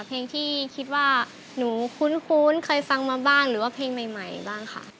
เพลงที่คิดว่าหนูคุ้นเคยฟังมาบ้างหรือว่าเพลงใหม่บ้างค่ะ